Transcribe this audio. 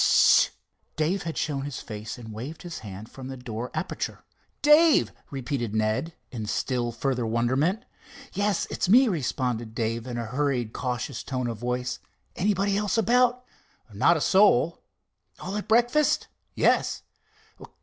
"S—st!" Dave had shown his face and waved his hand from the door aperture. "Dave!" repeated Ned, in still further wonderment. "Yes, it's me," responded Dave in a hurried, cautious tone of voice. "Anybody else about?" "Not a soul." "All at breakfast?" "Yes."